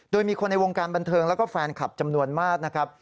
โดยมีคนในวงการบันเทิงแล้วก็แฟนคลับจำนวนมากนะครับ